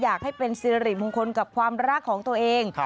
อยากให้เป็นสิริมงคลกับความรักของตัวเอง